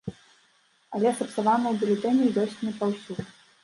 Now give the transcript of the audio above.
Але сапсаваныя бюлетэні ёсць не паўсюль.